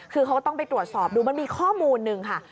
คือเขาก็ต้องไปตรวจสอบดูมันมีข้อมูลหนึ่งค่ะ